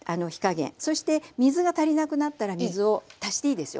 そして水が足りなくなったら水を足していいですよ。